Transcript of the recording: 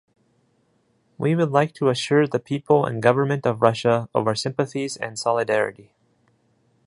We would like to assure the people and Government of Russia of our sympathies and solidarity.